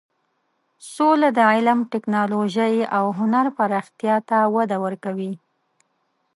سوله د علم، ټکنالوژۍ او هنر پراختیا ته وده ورکوي.